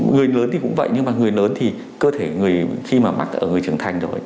người lớn thì cũng vậy nhưng mà người lớn thì cơ thể người khi mà mắc ở người trưởng thành rồi